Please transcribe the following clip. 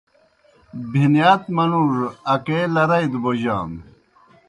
بِہنِیات منُوڙوْ اکے لرَئی دہ بوجانوْ۔